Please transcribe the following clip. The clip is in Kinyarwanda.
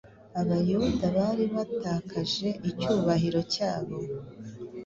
Abayuda bari baratakaje icyubahiro cyabo,